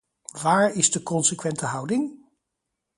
Waar is de consequente houding?